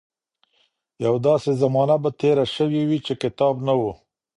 يوه داسې زمانه به تېره شوې وي چې کتاب نه و.